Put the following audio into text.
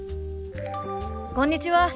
こんにちは。